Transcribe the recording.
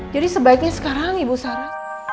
jadi sebaiknya sekarang ibu sara